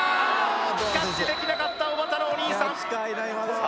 キャッチできなかったおばたのお兄さんさあ